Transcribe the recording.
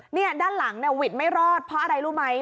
เนี่ยด้านหลังเนี่ยหวิดไม่รอดเพราะอะไรรู้ไหม